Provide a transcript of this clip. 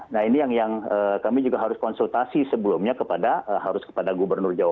nah ini yang kami juga harus konsultasi sebelumnya kepada harus kepada gubernur jawa